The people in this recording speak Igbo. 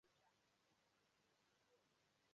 maka ezi nnyocha.